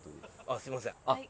あっすいません。